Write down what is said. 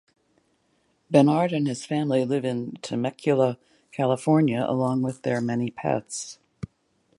Benard and his family live in Temecula, California along with their many pets.